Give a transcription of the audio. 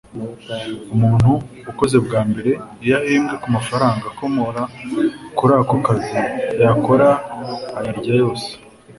Umuntu ukoze bwa mbere iyo ahembwe ku mafaranga akomora kuri ako kazi yakora ayarya yose